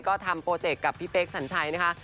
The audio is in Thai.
ก็ทำโปรเจกต์กับพี่เป๊กสัญชัยนะคะ